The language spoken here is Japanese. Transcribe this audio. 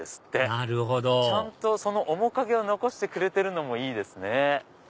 なるほどちゃんとその面影を残してくれてるのもいいですね。